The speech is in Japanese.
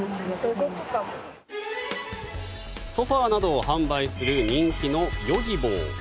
ソファなどを販売する人気のＹｏｇｉｂｏ。